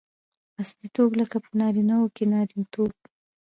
اصیلتوب؛ لکه په نارينه وو کښي نارينه توب.